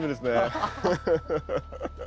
ハハハッ。